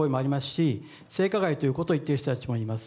し性加害ということを言っている人もいます。